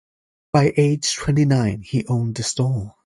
By age twenty-nine he owned the store.